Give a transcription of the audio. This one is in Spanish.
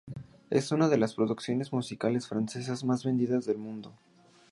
Es una de las producciones musicales francesas más vendidas del mundo.